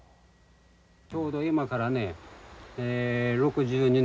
ちょうど今からねええ６２年前です。